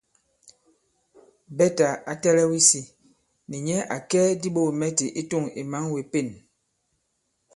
Bɛtà ǎ tɛ̄lɛ̄w isī nì nyɛ à kɛ diɓogìmɛtì i tûŋ ì mǎn wě Pên.